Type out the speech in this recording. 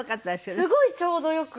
すごいちょうどよく。